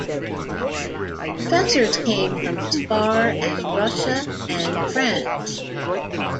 Professors came from as far as Russia and France.